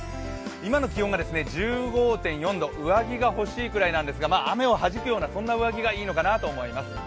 今の気温が１５．４度、上着が欲しいくらいなんですが雨を弾くような上着がいいのかなと思います。